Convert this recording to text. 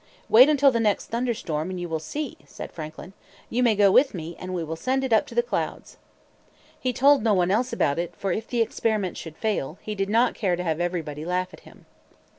"Wait until the next thunder storm, and you will see," said Franklin. "You may go with me and we will send it up to the clouds." He told no one else about it, for if the experiment should fail, he did not care to have everybody laugh at him.